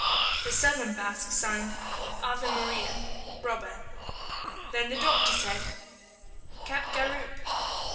The southern Basque signed, AVE MARIA: Robber. Then the doctor said, "Capgaroupe."